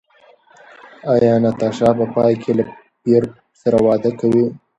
ایا ناتاشا په پای کې له پییر سره واده کوي؟